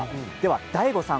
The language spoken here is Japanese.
ＤＡＩＧＯさん